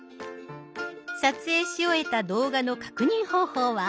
撮影し終えた動画の確認方法は？